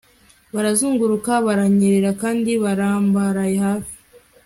barazunguruka, baranyerera kandi barambaraye hafi